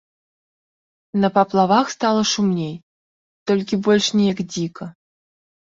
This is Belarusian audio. На паплавах стала шумней, толькі больш неяк дзіка.